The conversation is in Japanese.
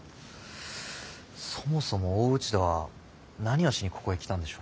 そもそも大内田は何をしにここへ来たんでしょう？